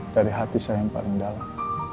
dari hati saya yang paling dalam